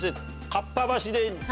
かっぱ橋でね